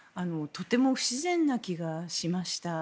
とても不自然な気がしました。